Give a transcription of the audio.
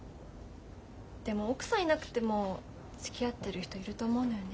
でも奥さんいなくてもつきあってる人いると思うのよね。